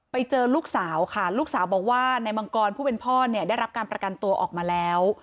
ไปเจอลูกสาวค่ะลูกสาวบอกว่านายมังกรผู้เป็นพ่อเนี่ยได้รับการประกันตัวออกมาแล้ว